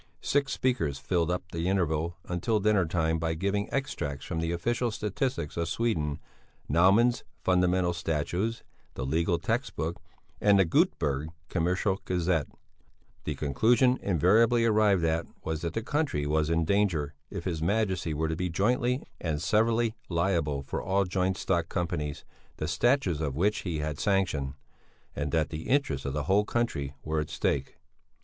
Six speakers filled up the interval until dinner time by giving extracts from the official statistics of Sweden, Nauman's Fundamental Statutes, the Legal Textbook and the Göteberg Commercial Gazette: the conclusion invariably arrived at was that the country was in danger if his Majesty were to be jointly and severally liable for all joint stock companies the statutes of which he had sanctioned; and that the interests of the whole country were at stake.